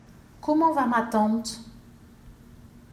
Comment va ma tante ?